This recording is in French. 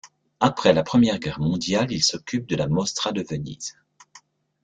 Après la Première Guerre mondiale, il s'occupe de la Mostra de Venise.